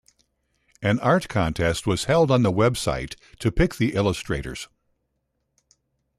An art contest was held on the website to pick the illustrators.